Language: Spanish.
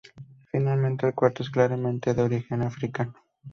Finalmente, el cuarto es claramente de origen africano.